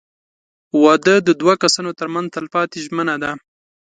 • واده د دوه کسانو تر منځ تلپاتې ژمنه ده.